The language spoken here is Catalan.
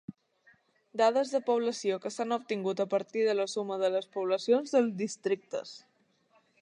Dades de població que s'han obtingut a partir de la suma de les poblacions dels districtes.